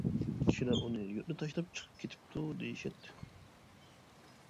كىشىلەر ئۇنى يۇرتنى تاشلاپ چىقىپ كېتىپتۇ دېيىشەتتى.